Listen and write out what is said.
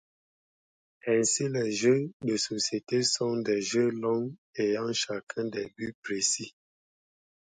Ainsi, les jeux de société sont des jeux longs ayant chacun des buts précis.